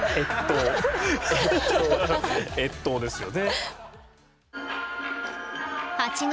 越冬ですよね。